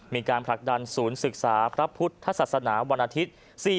มีการผลักดันศูนย์ศึกษาพระพุทธศาสนาวันอาทิตย์